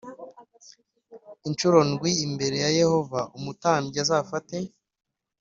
incuro ndwi imbere ya Yehova Umutambyi azafate